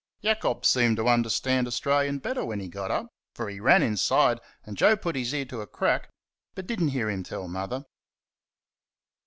Jacob seemed to understand Australian better when he got up, for he ran inside, and Joe put his ear to a crack, but did n't hear him tell Mother.